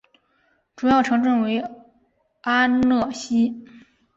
主要城镇为阿讷西。